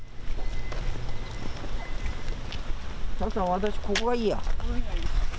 私、ここがいいや。